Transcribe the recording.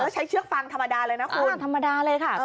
ใช้เชือกฟังธรรมดาเลยนะคุณ